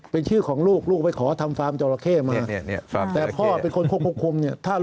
เป็นชื่อของลูกลูกไปขอทำ